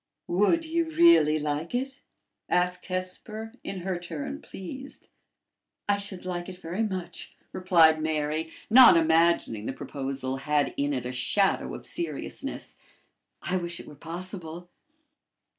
"Would you really like it?" asked Hesper, in her turn pleased. "I should like it very much," replied Mary, not imagining the proposal had in it a shadow of seriousness. "I wish it were possible."